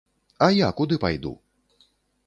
А я куды пайду?